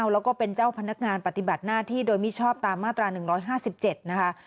และเป็นเจ้าพนักงานปฏิบัติหน้าที่โดยมิชอบตามตามมาตรา๑๕๗